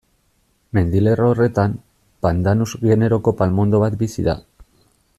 Mendilerro horretan, Pandanus generoko palmondo bat bizi da.